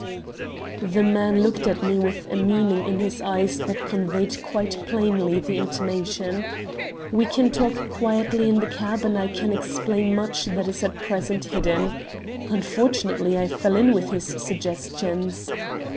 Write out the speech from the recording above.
"The man looked at me with a meaning in his eyes that conveyed quite plainly the intimation "'We can talk quietly in the cab, and I can explain much that is at present hidden.' Unfortunately I fell in with his suggestions.